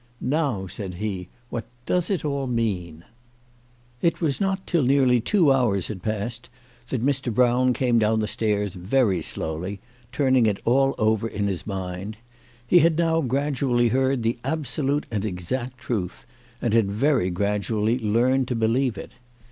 " Now," said he, " what does it all mean ?" It was not till nearly two hours had passed that Mr. Brown came down the stairs very slowly, turning it all over in his mind. He had now gradually heard the absolute and exact truth, and had very gradually learned to believe it.